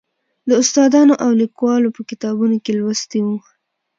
د استادانو او لیکوالو په کتابونو کې لوستی و.